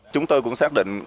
chúng tôi cũng xác định